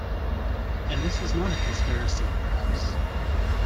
And this is not a conspiracy, perhaps?